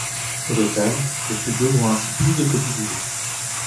Au total, le studio vend ainsi plus de copies du jeu.